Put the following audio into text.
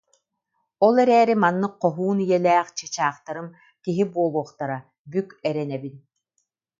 Ол эрээри маннык хоһуун ийэлээх чыычаахтарым киһи буолуохтара, бүк эрэнэбин»